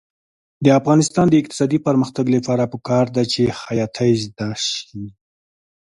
د افغانستان د اقتصادي پرمختګ لپاره پکار ده چې خیاطۍ زده شي.